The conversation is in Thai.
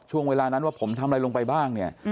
ช่วงเวลานั้นว่าผมทำอะไรลงไปบ้างเนี่ย